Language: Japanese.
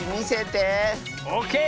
オーケー！